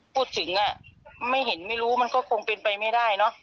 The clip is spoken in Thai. พูดถึงอ่ะไม่เห็นไม่รู้มันก็คงเป็นไปไม่ได้เนอะ